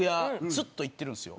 ずっと行ってるんですよ。